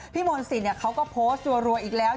พี่มนต์สิทธิ์เขาก็โพสต์รวยอีกแล้ว